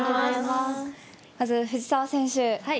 まず藤澤選手。